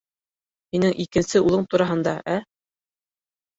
Һинең икенсе улың тураһында, ә?